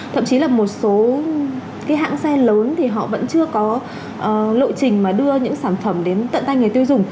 thậm chí là một số cái hãng xe lớn thì họ vẫn chưa có lộ trình mà đưa những sản phẩm đến tận tay người tiêu dùng